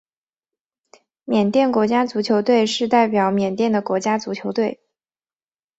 缅甸国家足球队是代表缅甸的国家足球队。